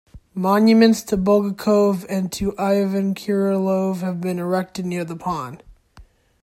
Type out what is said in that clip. Monuments to Bulgakov and to Ivan Krylov have been erected near the pond.